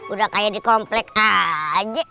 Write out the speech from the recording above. udah kayak dikomplek aja